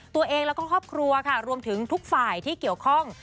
ตัวเองแล้วก็ครอบครัวค่ะรวมถึงทุกฝ่ายที่เกี่ยวข้อง